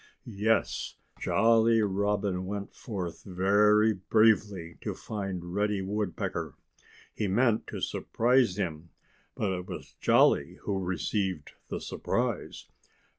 Yes! Jolly Robin went forth very bravely to find Reddy Woodpecker. He meant to surprise him. But it was Jolly who received the surprise.